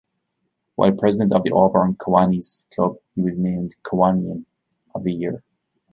While President of the Auburn Kiwanis Club he was named Kiwanian of the Year.